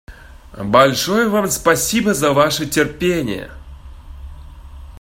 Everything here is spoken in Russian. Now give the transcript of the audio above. Большое вам спасибо за ваше терпение.